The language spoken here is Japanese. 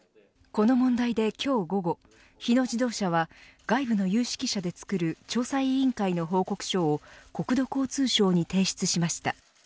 この問題で、今日午後日野自動車は外部の有識者でつくる調査委員会の報告書を国土交通省に提出しました。